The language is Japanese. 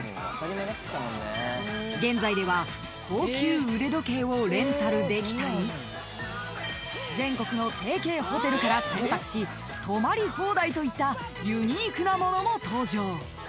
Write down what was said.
［現在では高級腕時計をレンタルできたり全国の提携ホテルから選択し泊まり放題といったユニークなものも登場］